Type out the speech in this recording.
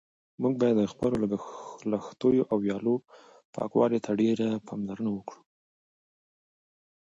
موږ باید د خپلو لښتیو او ویالو پاکوالي ته ډېره پاملرنه وکړو.